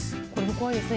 怖いですね。